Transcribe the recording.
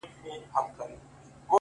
ځكه له يوه جوړه كالو سره راوتـي يــو _